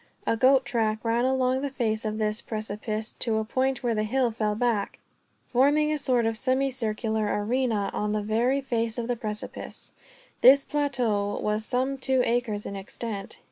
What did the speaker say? A goat track ran along the face of this precipice, to a point where the hill fell back, forming a sort of semicircular arena on the very face of the precipice. This plateau was some two acres in extent.